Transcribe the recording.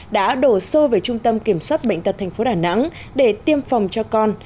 đã đổ xô về trung tâm kiểm soát bệnh tật thành phố đà nẵng để tiêm phòng cho con